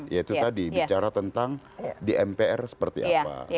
ya itu tadi bicara tentang di mpr seperti apa